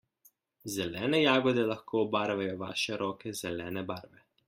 Zelene jagode lahko obarvajo vaše roke zelene barve.